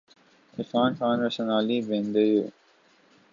عرفان خان اور سونالی بیندر ے